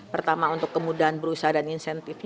pertama untuk kemudahan berusaha dan insentif